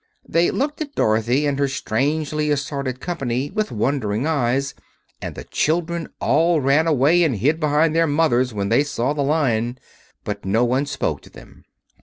They looked at Dorothy and her strangely assorted company with wondering eyes, and the children all ran away and hid behind their mothers when they saw the Lion; but no one spoke to them.